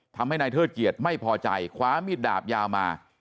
ทำให้นายเทิดเกียรติไม่พอใจคว้ามีดดาบยาวมา